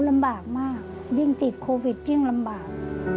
ลำบากมากยิ่งติดโควิดยิ่งลำบาก